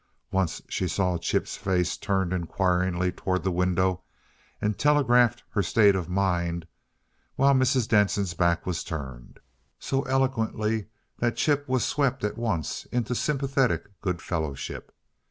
Once she saw Chip's face turned inquiringly toward the window, and telegraphed her state of mind while Mrs. Denson's back was turned so eloquently that Chip was swept at once into sympathetic good fellowship.